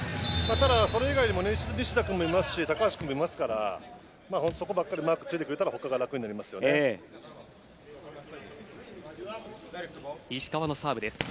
ただ、それ以外にも西田君もいますし高橋君もいますからそこばっかりマークがついてくるとほかが楽になりますよね。